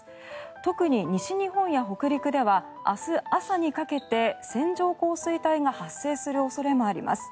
特に西日本や北陸では明日朝にかけて線状降水帯が発生する恐れもあります。